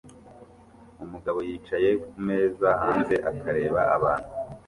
Umugabo yicaye kumeza hanze akareba abantu